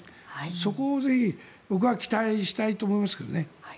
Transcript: そこをぜひ僕は期待したいと思いますけどね。